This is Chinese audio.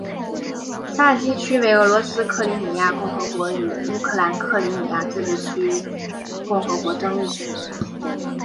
萨基区为俄罗斯克里米亚共和国与乌克兰克里米亚自治共和国争议性的一个区。